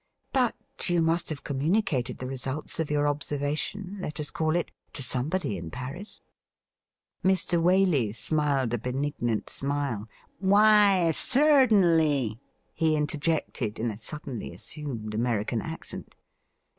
' But you must have communicated the results of your observation — let us call it — to somebody in Paris.' Mr. Waley smiled a benignant smile. ' Why, certainly,' he interjected, in a suddenly assumed American accent.